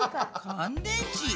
乾電池。